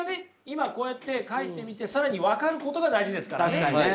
今こうやって書いてみて更に分かることが大事ですからね。